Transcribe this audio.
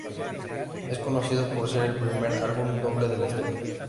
Es conocido por ser el primer álbum doble de la historia.